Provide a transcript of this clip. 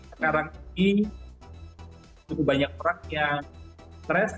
sekarang ini cukup banyak orang yang stres